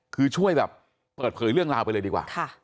คือช่วยแบบเปิดเผยเรื่องราวไปเลยดีกว่า